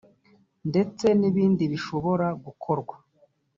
ndetse nibindi bishobora gukorwa .